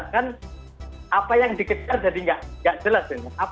kan apa yang dikejar jadi nggak jelas